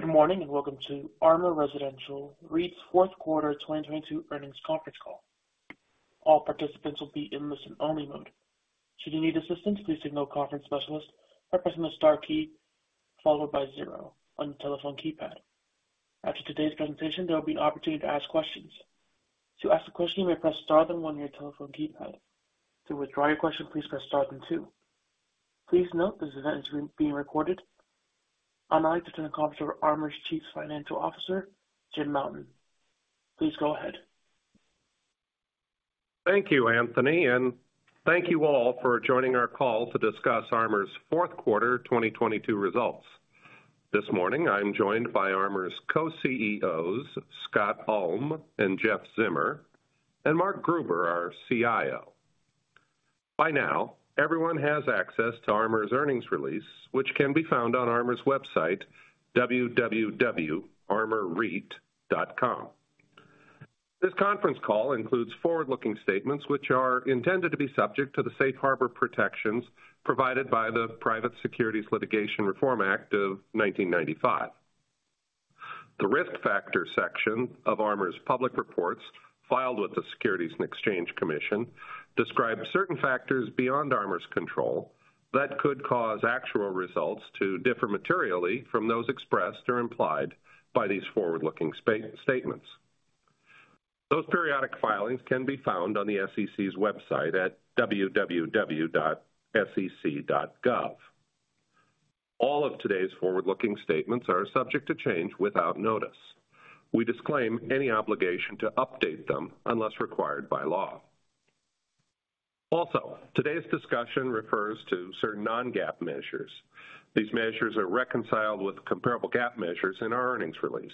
Good morning. Welcome to ARMOUR Residential REIT's Fourth Quarter 2022 Earnings Conference Call. All participants will be in listen-only mode. Should you need assistance, please signal conference specialist by pressing the star key followed by zero on your telephone keypad. After today's presentation, there will be an opportunity to ask questions. To ask a question, you may press star then one on your telephone keypad. To withdraw your question, please press star then two. Please note this event is being recorded. I'd like to turn the call over to ARMOUR's Chief Financial Officer, Jim Mountain. Please go ahead. Thank you, Anthony, and thank you all for joining our call to discuss ARMOUR's fourth quarter 2022 results. This morning I'm joined by ARMOUR's Co-CEOs, Scott Ulm and Jeff Zimmer, and Mark Gruber, our CIO. By now, everyone has access to ARMOUR's earnings release, which can be found on ARMOUR's website, www.armourreit.com. This conference call includes forward-looking statements which are intended to be subject to the safe harbor protections provided by the Private Securities Litigation Reform Act of 1995. The Risk Factors section of ARMOUR's public reports filed with the Securities and Exchange Commission describe certain factors beyond ARMOUR's control that could cause actual results to differ materially from those expressed or implied by these forward-looking statements. Those periodic filings can be found on the SEC's website at www.sec.gov. All of today's forward-looking statements are subject to change without notice. We disclaim any obligation to update them unless required by law. Today's discussion refers to certain non-GAAP measures. These measures are reconciled with comparable GAAP measures in our earnings release.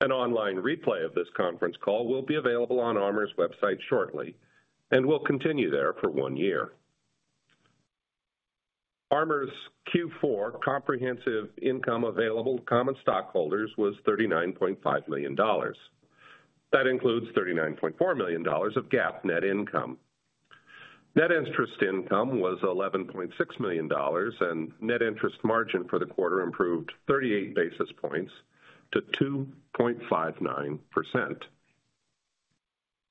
An online replay of this conference call will be available on ARMOUR's website shortly and will continue there for one year. ARMOUR's Q4 comprehensive income available to common stockholders was $39.5 million. That includes $39.4 million of GAAP net income. Net interest income was $11.6 million, net interest margin for the quarter improved 38 basis points to 2.59%.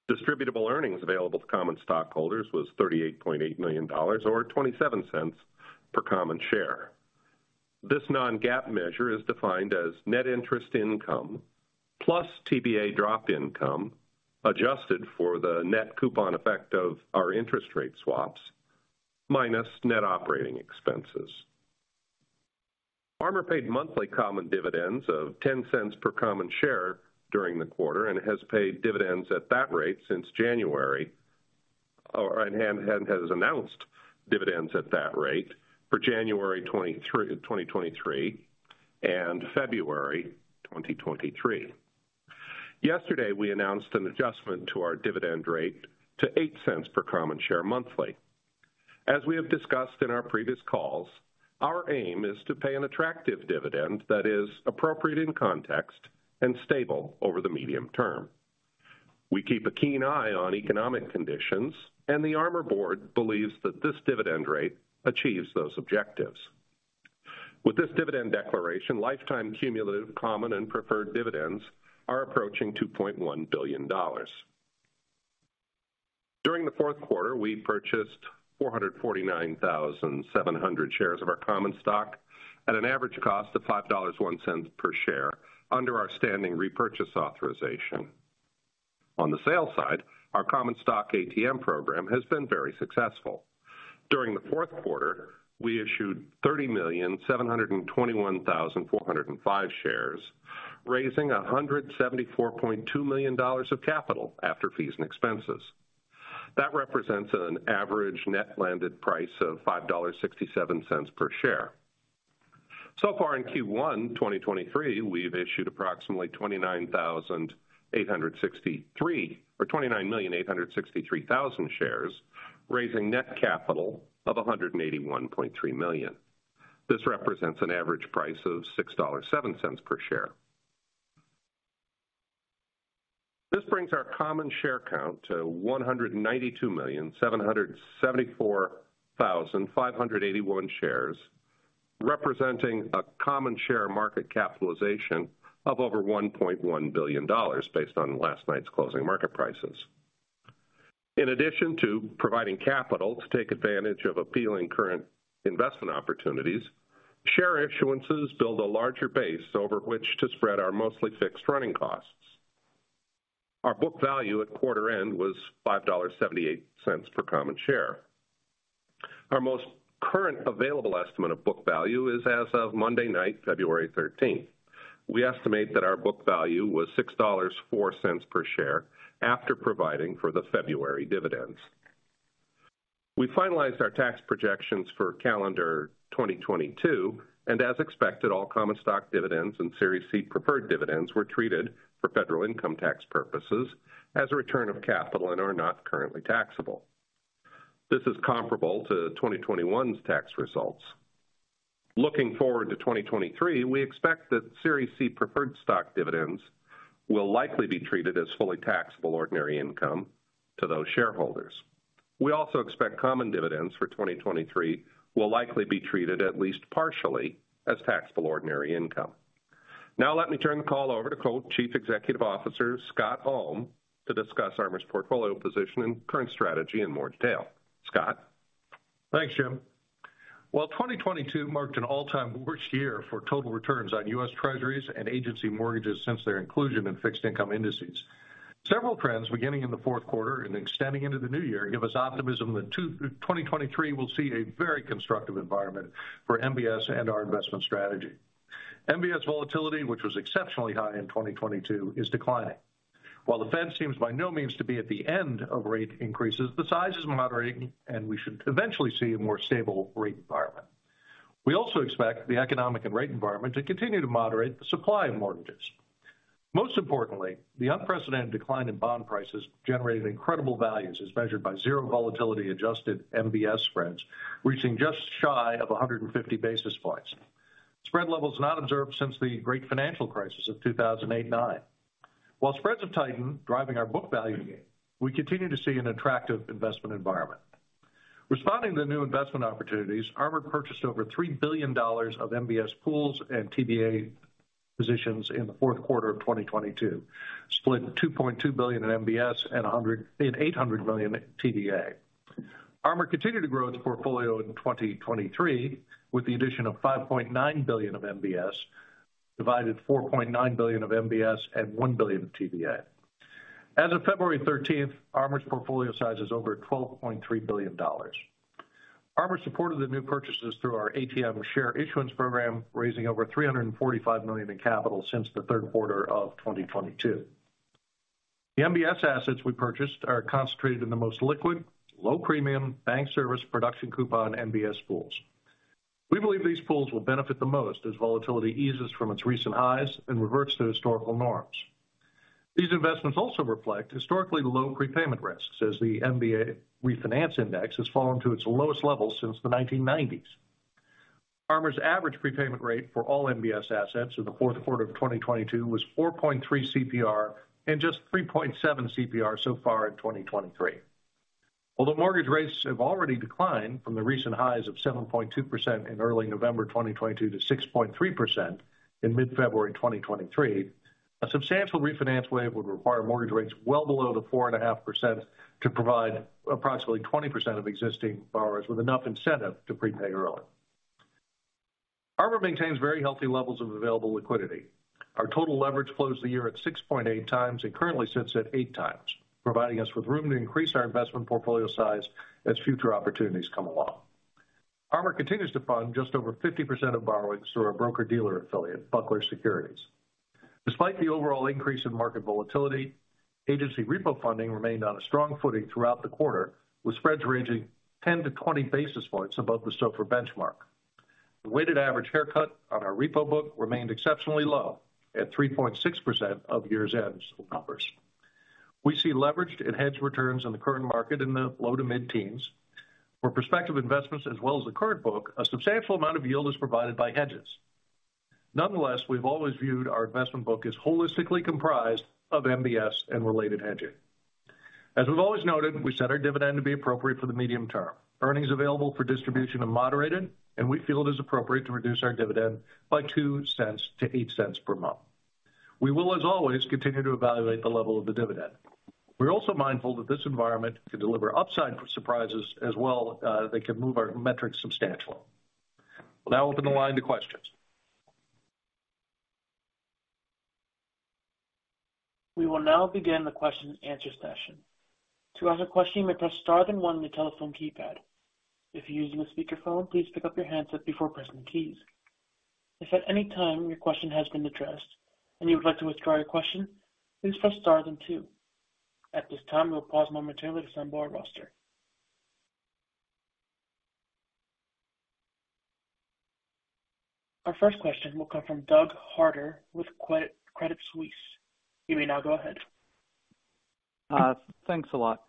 Distributable Earnings available to common stockholders was $38.8 million, or $0.27 per common share. This non-GAAP measure is defined as net interest income plus TBA drop income, adjusted for the net coupon effect of our interest rate swaps, minus net operating expenses. ARMOUR paid monthly common dividends of $0.10 per common share during the quarter and has paid dividends at that rate since January. Has announced dividends at that rate for January 2023 and February 2023. Yesterday, we announced an adjustment to our dividend rate to $0.08 per common share monthly. As we have discussed in our previous calls, our aim is to pay an attractive dividend that is appropriate in context and stable over the medium term. We keep a keen eye on economic conditions, and the ARMOUR board believes that this dividend rate achieves those objectives. With this dividend declaration, lifetime cumulative common and preferred dividends are approaching $2.1 billion. During the fourth quarter, we purchased 449,700 shares of our common stock at an average cost of $5.01 per share under our standing repurchase authorization. On the sales side, our common stock ATM program has been very successful. During the fourth quarter, we issued 30,721,405 shares, raising $174.2 million of capital after fees and expenses. That represents an average net landed price of $5.67 per share. Far in Q1 2023, we've issued approximately 29,863 or 29,863,000 shares, raising net capital of $181.3 million. This represents an average price of $6.07 per share. This brings our common share count to 192,774,581 shares, representing a common share market capitalization of over $1.1 billion based on last night's closing market prices. In addition to providing capital to take advantage of appealing current investment opportunities, share issuances build a larger base over which to spread our mostly fixed running costs. Our book value at quarter end was $5.78 per common share. Our most current available estimate of book value is as of Monday night, February 13th. We estimate that our book value was $6.04 per share after providing for the February dividends. We finalized our tax projections for calendar 2022, and as expected, all common stock dividends and Series C preferred dividends were treated for federal income tax purposes as a return of capital and are not currently taxable. This is comparable to 2021's tax results. Looking forward to 2023, we expect that Series C preferred stock dividends will likely be treated as fully taxable ordinary income to those shareholders. We also expect common dividends for 2023 will likely be treated at least partially as taxable ordinary income. Let me turn the call over to Co-Chief Executive Officer Scott Ulm to discuss ARMOUR's portfolio position and current strategy in more detail. Scott? Thanks, Jim. While 2022 marked an all-time worst year for total returns on US Treasuries and agency mortgages since their inclusion in fixed income indices, several trends beginning in the fourth quarter and extending into the new year give us optimism that 2023 will see a very constructive environment for MBS and our investment strategy. MBS volatility, which was exceptionally high in 2022, is declining. While the Fed seems by no means to be at the end of rate increases, the size is moderating and we should eventually see a more stable rate environment. We also expect the economic and rate environment to continue to moderate the supply of mortgages. Most importantly, the unprecedented decline in bond prices generated incredible values as measured by Zero Volatility Adjusted MBS Spreads, reaching just shy of 150 basis points. Spread levels not observed since the great financial crisis of 2008, 2009. While spreads have tightened, driving our book value, we continue to see an attractive investment environment. Responding to new investment opportunities, ARMOUR purchased over $3 billion of MBS pools and TBA positions in the fourth quarter of 2022, split $2.2 billion in MBS and $800 million TBA. ARMOUR continued to grow its portfolio in 2023 with the addition of $5.9 billion of MBS, divided $4.9 billion of MBS and $1 billion of TBA. As of February 13th, ARMOUR's portfolio size is over $12.3 billion. ARMOUR supported the new purchases through our ATM share issuance program, raising over $345 million in capital since the third quarter of 2022. The MBS assets we purchased are concentrated in the most liquid, low premium bank service production coupon MBS pools. We believe these pools will benefit the most as volatility eases from its recent highs and reverts to historical norms. These investments also reflect historically low prepayment risks, as the MBA Refinance Index has fallen to its lowest level since the 1990s. ARMOUR's average prepayment rate for all MBS assets in the fourth quarter of 2022 was 4.3 CPR and just 3.7 CPR so far in 2023. Although mortgage rates have already declined from the recent highs of 7.2% in early November 2022 to 6.3% in mid-February 2023, a substantial refinance wave would require mortgage rates well below 4.5% to provide approximately 20% of existing borrowers with enough incentive to prepay early. ARMOUR maintains very healthy levels of available liquidity. Our total leverage closed the year at 6.8x and currently sits at 8x, providing us with room to increase our investment portfolio size as future opportunities come along. ARMOUR continues to fund just over 50% of borrowings through our broker-dealer affiliate, BUCKLER Securities. Despite the overall increase in market volatility, agency Repo funding remained on a strong footing throughout the quarter, with spreads ranging 10-20 basis points above the SOFR benchmark. The weighted average haircut on our Repo book remained exceptionally low at 3.6% of year-end numbers. We see leveraged and hedged returns in the current market in the low to mid-teens. For prospective investments as well as the current book, a substantial amount of yield is provided by hedges. We've always viewed our investment book as holistically comprised of MBS and related hedging. As we've always noted, we set our dividend to be appropriate for the medium term. Earnings available for distribution have moderated, we feel it is appropriate to reduce our dividend by $0.02 to $0.08 per month. We will, as always, continue to evaluate the level of the dividend. We're also mindful that this environment can deliver upside surprises as well, that can move our metrics substantially. We'll now open the line to questions. We will now begin the question and answer session. To ask a question, you may press star then one on your telephone keypad. If you're using a speakerphone, please pick up your handset before pressing keys. If at any time your question has been addressed and you would like to withdraw your question, please press star then two. At this time, we'll pause momentarily to assemble our roster. Our first question will come from Doug Harter with Credit Suisse. You may now go ahead. Thanks a lot.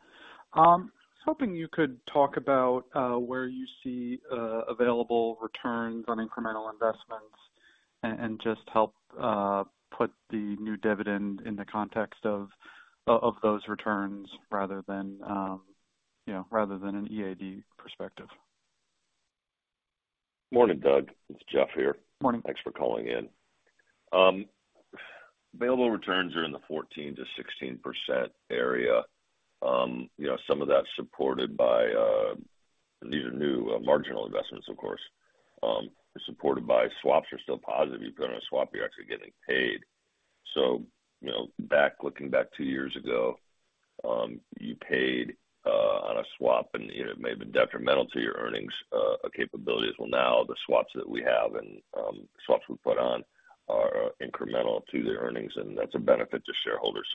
I was hoping you could talk about where you see available returns on incremental investments and just help put the new dividend in the context of those returns rather than, you know, rather than an EAD perspective. Morning, Doug. It's Jeff here. Morning. Thanks for calling in. Available returns are in the 14%-16% area. You know, some of that's supported by, these are new marginal investments, of course, they're supported by swaps are still positive. You put on a swap, you're actually getting paid. You know, back, looking back two years ago, you paid on a swap, and, you know, it may have been detrimental to your earnings capabilities. Well, now the swaps that we have and swaps we put on are incremental to the earnings, and that's a benefit to shareholders.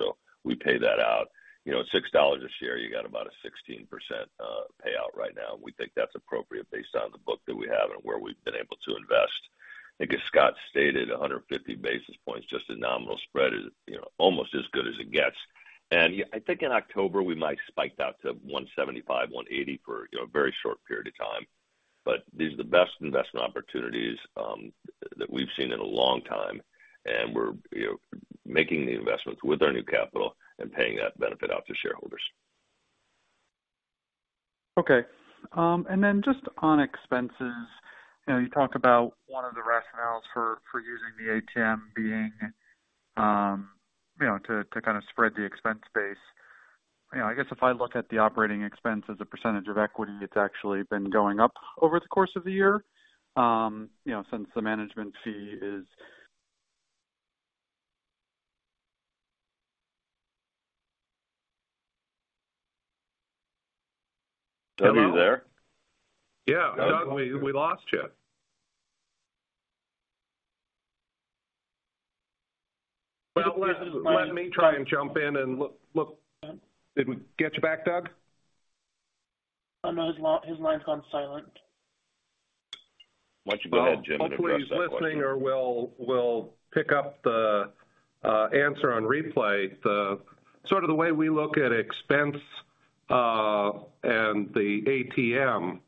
We pay that out. You know, at $6 a share, you got about a 16% payout right now, and we think that's appropriate based on the book that we have and where we've been able to invest. I think as Scott stated, 150 basis points, just a nominal spread is, you know, almost as good as it gets. I think in October, we might spike that to 175, 180 for, you know, a very short period of time. These are the best investment opportunities that we've seen in a long time, and we're, you know, making the investments with our new capital and paying that benefit out to shareholders. Okay. Just on expenses. You know, you talked about one of the rationales for using the ATM being, you know, to kind of spread the expense base. You know, I guess if I look at the operating expense as a percentage of equity, it's actually been going up over the course of the year, you know, since the management fee is- Doug, are you there? Yeah. Doug, we lost you. Well, let me try and jump in and look... Did we get you back, Doug? I know his line's on silent. Why don't you go ahead, Jim, and address that question. Hopefully he's listening or will pick up the answer on replay. Sort of the way we look at expense and the ATM,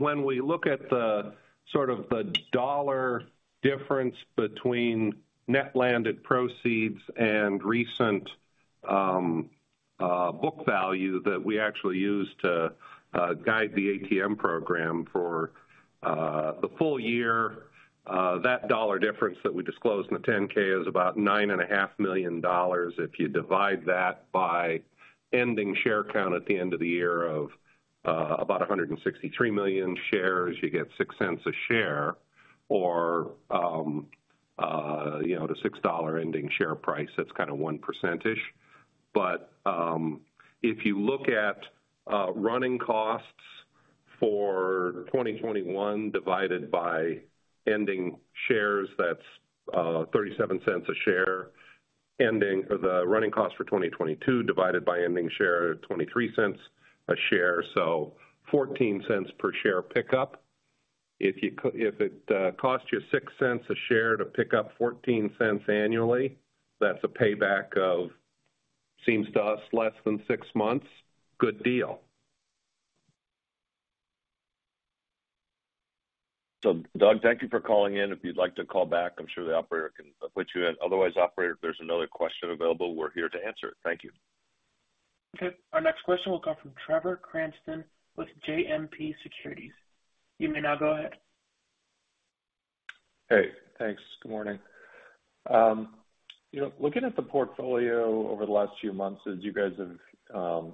when we look at the sort of the dollar difference between net landed proceeds and recent book value that we actually use to guide the ATM program for the full year, that dollar difference that we disclosed in the 10-K is about $9.5 million. If you divide that by ending share count at the end of the year of about 163 million shares, you get $0.06 a share or, you know, at a $6 ending share price, that's kind of 1%-ish. If you look at running costs for 2021 divided by ending shares, that's $0.37 a share. Ending the running cost for 2022 divided by ending share, $0.23 a share, so $0.14 per share pickup. If it costs you $0.06 a share to pick up $0.14 annually, that's a payback of, seems to us, less than six months. Good deal. Doug, thank you for calling in. If you'd like to call back, I'm sure the Operator can put you in. Otherwise, Operator, if there's another question available, we're here to answer it. Thank you. Okay. Our next question will come from Trevor Cranston with JMP Securities. You may now go ahead. Hey, thanks. Good morning. you know, looking at the portfolio over the last few months as you guys have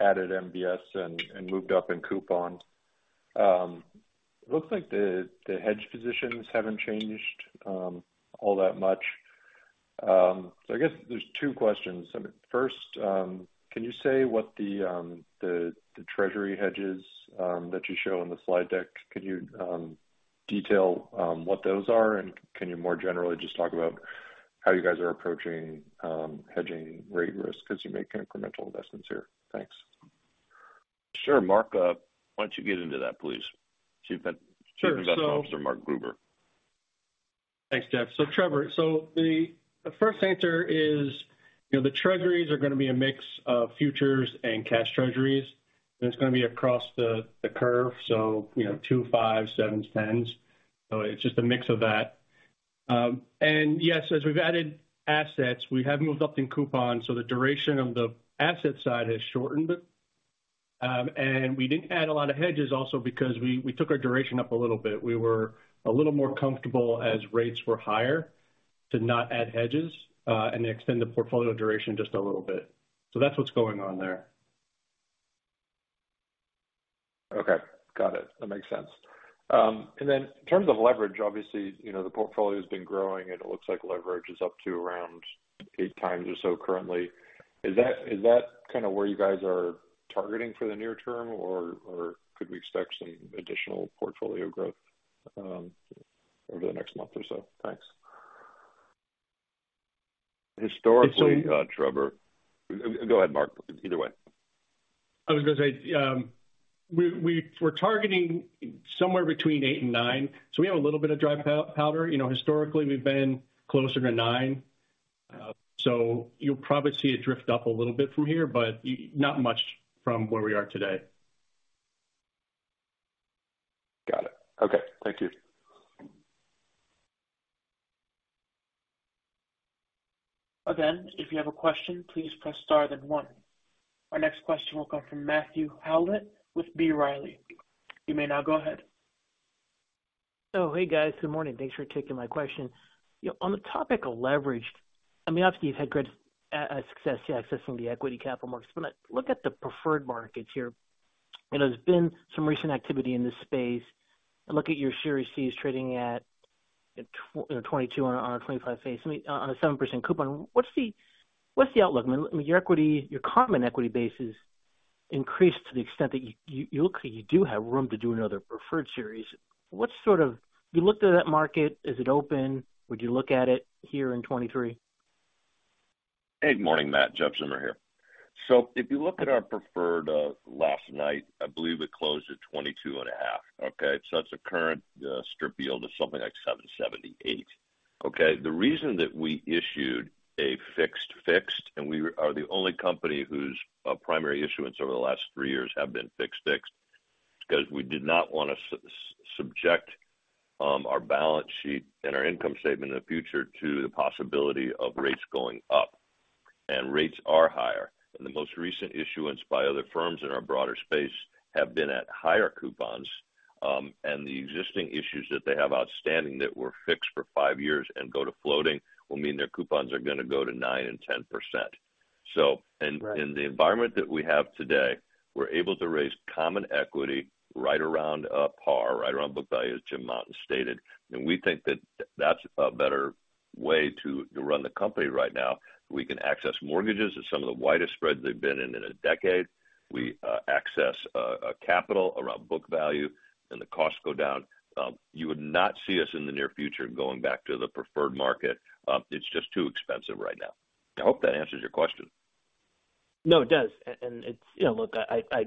added MBS and moved up in coupon, it looks like the hedge positions haven't changed all that much. I guess there's two questions. First, can you say what the Treasury hedges that you show in the slide deck, could you detail what those are? Can you more generally just talk about how you guys are approaching hedging rate risk as you make incremental investments here? Thanks. Sure. Mark, why don't you get into that, please? Sure. Chief Investment Officer Mark Gruber. Thanks, Jeff. Trevor, the first answer is, you know, the Treasuries are going to be a mix of futures and cash Treasuries, and it's going to be across the curve. You know, two, five, sevens, tens. It's just a mix of that. Yes, as we've added assets, we have moved up in coupons, so the duration of the asset side has shortened a bit. We didn't add a lot of hedges also because we took our duration up a little bit. We were a little more comfortable as rates were higher to not add hedges and extend the portfolio duration just a little bit. That's what's going on there. Okay. Got it. That makes sense. Then in terms of leverage, obviously, you know, the portfolio's been growing and it looks like leverage is up to around 8x or so currently. Is that kind of where you guys are targeting for the near term, or could we expect some additional portfolio growth over the next month or so? Thanks. Historically, Trevor, Go ahead, Mark, either way. I was gonna say, we're targeting somewhere between 8x and 9x, so we have a little bit of dry powder. You know, historically, we've been closer to 9x. You'll probably see it drift up a little bit from here, but not much from where we are today. Got it. Okay. Thank you. Again, if you have a question, please press star then one. Our next question will come from Matthew Howlett with B. Riley Securities. You may now go ahead. Oh, hey, guys. Good morning. Thanks for taking my question. You know, on the topic of leverage, I mean, obviously you've had great success accessing the equity capital markets. When I look at the preferred markets here, you know, there's been some recent activity in this space. I look at your Series Cs trading at you know, $22 on a, on a $25 face, I mean, on a 7% coupon. What's the outlook? I mean, your common equity base is increased to the extent that you do have room to do another preferred series. Have you looked at that market? Is it open? Would you look at it here in 2023? Hey, morning, Matt. Jeff Zimmer here. If you look at our preferred last night, I believe it closed at twenty-two and a half. Okay? That's a current strip yield of something like 7.78%. Okay. The reason that we issued a fixed, and we are the only company whose primary issuance over the last three years have been fixed, is because we did not want to subject our balance sheet and our income statement in the future to the possibility of rates going up. Rates are higher. The most recent issuance by other firms in our broader space have been at higher coupons. The existing issues that they have outstanding that were fixed for five years and go to floating will mean their coupons are going to go to 9% and 10%. Right. In the environment that we have today, we're able to raise common equity right around par, right around book value, as Jim Mountain stated. We think that that's a better way to run the company right now. We can access mortgages at some of the widest spreads they've been in in a decade. We access capital around book value, and the costs go down. You would not see us in the near future going back to the preferred market. It's just too expensive right now. I hope that answers your question. No, it does. It's... You know, look, I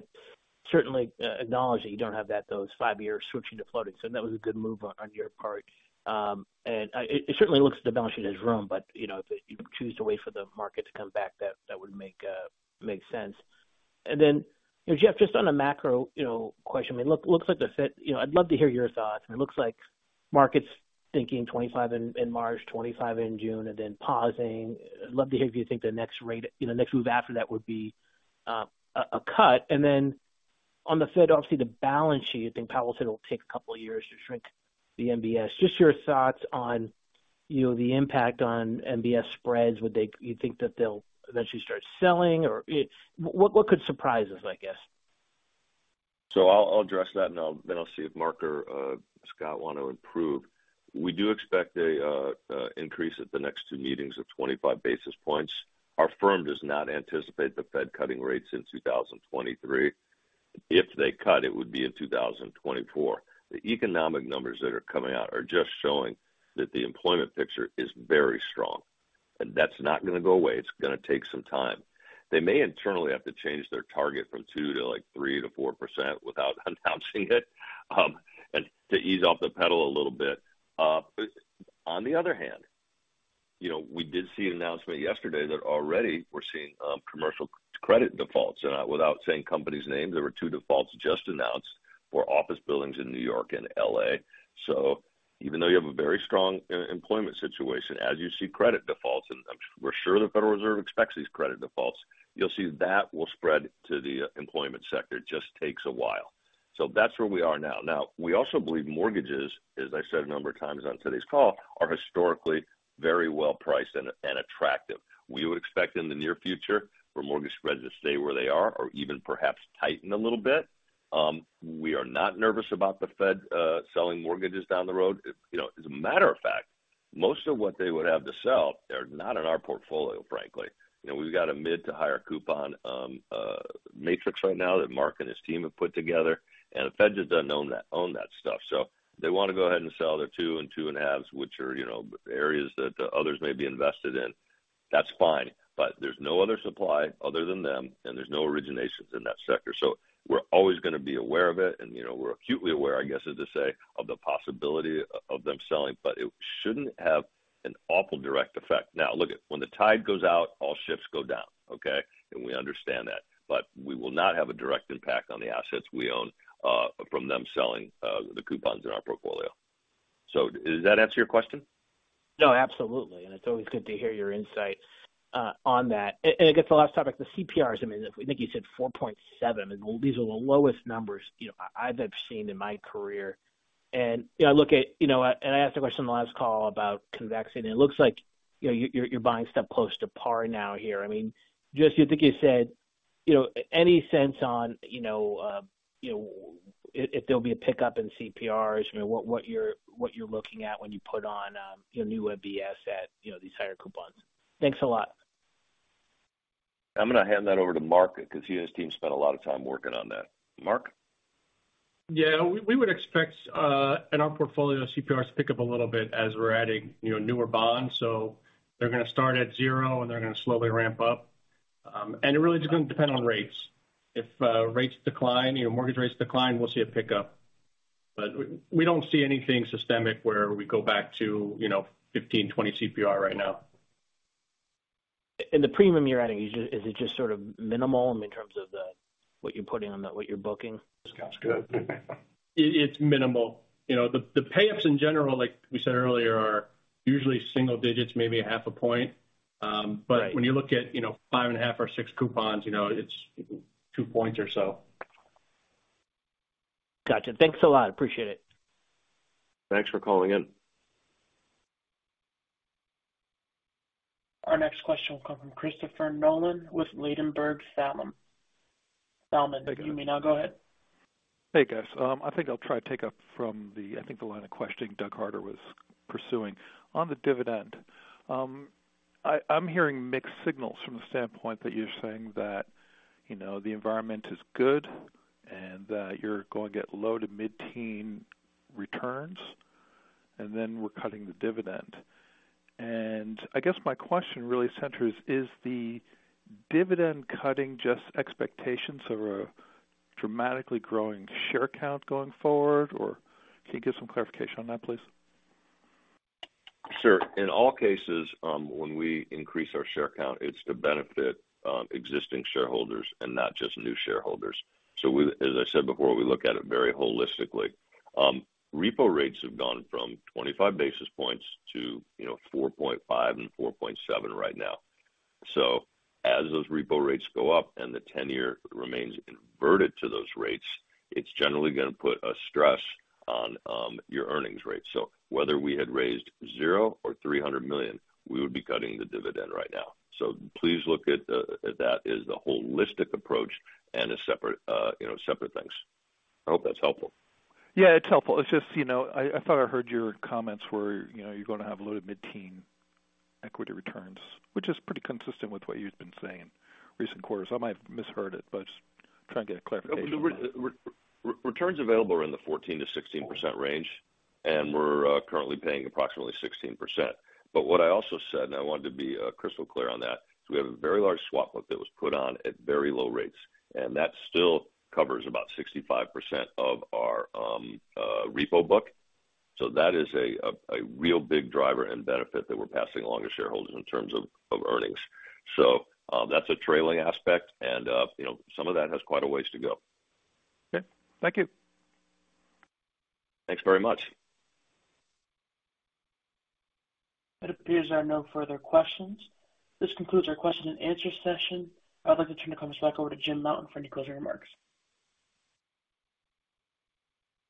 certainly acknowledge that you don't have that, those five years switching to floating, so that was a good move on your part. It certainly looks the balance sheet has room, but, you know, if you choose to wait for the market to come back, that would make sense. Jeff, just on a macro, you know, question. I mean, look, looks like the Fed... You know, I'd love to hear your thoughts. I mean, it looks like market's thinking 25 in March, 25 in June, and then pausing. I'd love to hear if you think the next rate, you know, next move after that would be a cut. On the Fed, obviously the balance sheet, I think Powell said it'll take a couple of years to shrink the MBS. Just your thoughts on, you know, the impact on MBS spreads. You think that they'll eventually start selling? Or what could surprise us, I guess? I'll address that, and then I'll see if Mark or Scott want to improve. We do expect an increase at the next two meetings of 25 basis points. Our firm does not anticipate the Fed cutting rates in 2023. If they cut, it would be in 2024. The economic numbers that are coming out are just showing that the employment picture is very strong, and that's not gonna go away. It's gonna take some time. They may internally have to change their target from 2% to, like, 3% to 4% without announcing it, and to ease off the pedal a little bit. On the other hand, you know, we did see an announcement yesterday that already we're seeing commercial credit defaults. Without saying companies' names, there were two defaults just announced for office buildings in New York and L.A. Even though you have a very strong employment situation, as you see credit defaults, and we're sure the Federal Reserve expects these credit defaults, you'll see that will spread to the employment sector. It just takes a while. That's where we are now. Now, we also believe mortgages, as I said a number of times on today's call, are historically very well priced and attractive. We are not nervous about the Fed selling mortgages down the road. You know, as a matter of fact, most of what they would have to sell, they're not in our portfolio, frankly. You know, we've got a mid to higher coupon matrix right now that Mark and his team have put together. The Fed just doesn't own that stuff. If they wanna go ahead and sell their two and two and a halves, which are, you know, areas that others may be invested in, that's fine. There's no other supply other than them. There's no originations in that sector. We're always gonna be aware of it. You know, we're acutely aware, I guess, as they say, of the possibility of them selling. It shouldn't have an awful direct effect. Look, when the tide goes out, all ships go down, okay? We understand that. We will not have a direct impact on the assets we own from them selling the coupons in our portfolio. Does that answer your question? Oh, absolutely. It's always good to hear your insights on that. I guess the last topic, the CPRs. I mean, I think you said 4.7%. These are the lowest numbers, you know, I've seen in my career. I look at, you know. I asked a question on the last call about convexity, and it looks like, you know, you're buying stuff close to par now here. I mean, just you think you said, you know, any sense on, you know, if there'll be a pickup in CPRs, you know, what you're looking at when you put on your new MBS at, you know, these higher coupons? Thanks a lot. I'm gonna hand that over to Mark because he and his team spent a lot of time working on that. Mark? Yeah. We would expect in our portfolio, CPRs to pick up a little bit as we're adding, you know, newer bonds. They're gonna start at zero and they're gonna slowly ramp up. It really is gonna depend on rates. If rates decline, you know, mortgage rates decline, we'll see a pickup. We don't see anything systemic where we go back to, you know, 15, 20 CPR right now. The premium you're adding, is it just sort of minimal in terms of the, what you're putting on the, what you're booking? Scott's good. It's minimal. You know, the payoffs in general, like we said earlier, are usually single digits, maybe half a point. Right. When you look at, you know, 5.5% or 6% coupons, you know, it's two points or so. Gotcha. Thanks a lot. Appreciate it. Thanks for calling in. Our next question will come from Christopher Nolan with Ladenburg Thalmann. Hey, guys. You may now go ahead. Hey, guys. I think I'll try to take up from the line of questioning Doug Harter was pursuing. On the dividend, I'm hearing mixed signals from the standpoint that you're saying that, you know, the environment is good and that you're going to get low to mid-teen returns, and then we're cutting the dividend. I guess my question really centers is the dividend cutting just expectations or a dramatically growing share count going forward? Can you give some clarification on that, please? Sure. In all cases, when we increase our share count, it's to benefit existing shareholders and not just new shareholders. As I said before, we look at it very holistically. Repo rates have gone from 25 basis points to, you know, 4.5% and 4.7% right now. As those repo rates go up and the tenure remains inverted to those rates, it's generally gonna put a stress on your earnings rate. Whether we had raised zero or $300 million, we would be cutting the dividend right now. Please look at that as the holistic approach and a separate, you know, separate things. I hope that's helpful. Yeah, it's helpful. It's just, you know, I thought I heard your comments where, you know, you're gonna have low to mid-teen equity returns, which is pretty consistent with what you've been saying recent quarters. I might have misheard it, just trying to get a clarification on that. Returns available are in the 14%-16% range. We're currently paying approximately 16%. What I also said, and I wanted to be crystal clear on that, is we have a very large swap book that was put on at very low rates, and that still covers about 65% of our repo book. That is a real big driver and benefit that we're passing along to shareholders in terms of earnings. That's a trailing aspect and, you know, some of that has quite a ways to go. Okay. Thank you. Thanks very much. It appears there are no further questions. This concludes our question and answer session. I'd like to turn the comments back over to Jim Mountain for any closing remarks.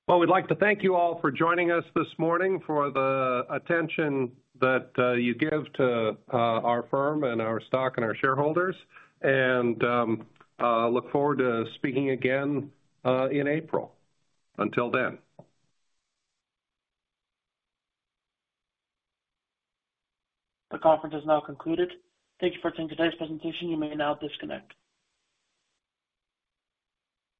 Well, we'd like to thank you all for joining us this morning, for the attention that you give to our firm and our stock and our shareholders. Look forward to speaking again in April. Until then. The conference is now concluded. Thank you for attending today's presentation. You may now disconnect.